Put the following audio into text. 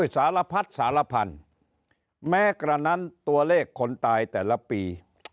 สารพัดสารพันธุ์แม้กระนั้นตัวเลขคนตายแต่ละปี